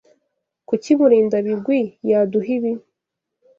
Kuki Murindabigwi yaduha ibi?